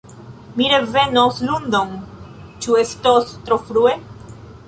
Mi revenos lundon, ĉu estos tro frue?